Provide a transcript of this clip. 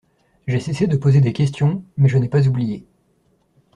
J’ai cessé de poser des questions, mais je n’ai pas oublié.